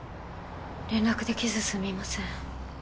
連絡できずすみません